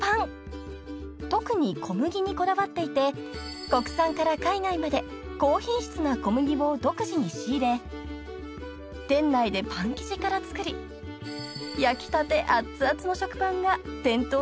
［特に小麦にこだわっていて国産から海外まで高品質な小麦を独自に仕入れ店内でパン生地から作り焼きたて熱々の食パンが店頭に並びます］